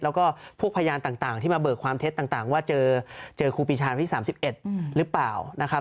แล้วก็พวกพยานต่างที่มาเบิกความเท็จต่างว่าเจอครูปีชาวันที่๓๑หรือเปล่านะครับ